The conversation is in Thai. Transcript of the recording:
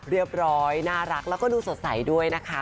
เรียบร้อยน่ารักแล้วก็ดูสดใสด้วยนะคะ